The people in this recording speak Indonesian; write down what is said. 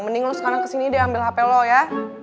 mending lu sekarang kesini deh ambil hp lu ya